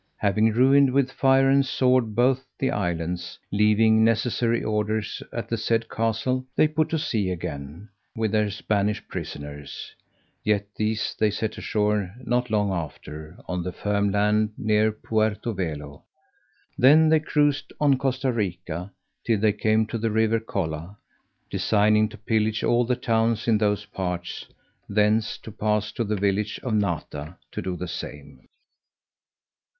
Having ruined with fire and sword both the islands, leaving necessary orders at the said castle, they put to sea again, with their Spanish prisoners; yet these they set ashore not long after, on the firm land, near Puerto Velo: then they cruised on Costa Rica, till they came to the river Colla, designing to pillage all the towns in those parts, thence to pass to the village of Nata, to do the same.